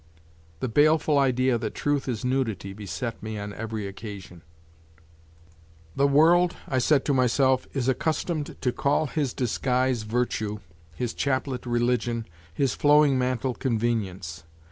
The baleful idea that truth is nudity beset me on every occasion. "The world," I said to myself, "is accustomed to call his disguise virtue, his chaplet religion, his flowing mantle convenience.